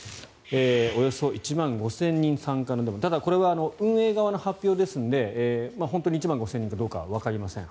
およそ１万５０００人参加のデモただこれは運営側の発表ですので本当に１万５０００人かどうかはわかりません。